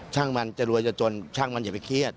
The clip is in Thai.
ช่างมันจะรวยจะจนช่างมันอย่าไปเครียด